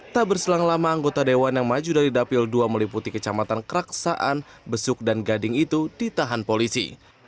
tak berselang lama anggota dewan yang maju dari dapil dua meliputi kecamatan keraksaan besuk dan gading itu ditahan polisi